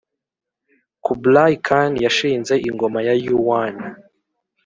kublai khan yashinze ingoma ya yuan